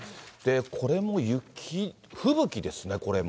これも雪、吹雪ですね、これも。